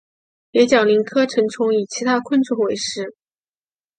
蝶角蛉科成虫以其他昆虫为食。